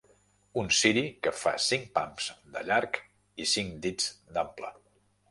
Un ciri que fa cinc pams de llarg i cinc dits d'ample.